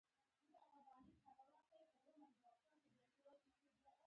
دوی پوهېدل چې دا جګړه برخليک ټاکونکې ده.